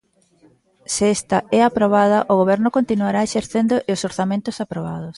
Se esta é aprobada, o goberno continuará exercendo e os orzamentos, aprobados.